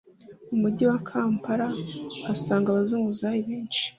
mu mujyi wa Kampala uhasanga abazunguzayi benshi